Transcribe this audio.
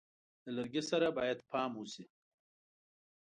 د لرګي سره باید پام وشي.